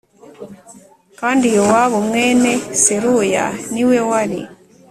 Kandi Yowabu mwene Seruya ni we wari